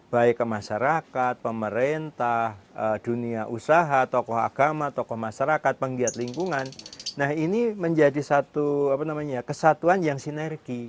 baik ke masyarakat pemerintah dunia usaha tokoh agama tokoh masyarakat penggiat lingkungan nah ini menjadi satu kesatuan yang sinergi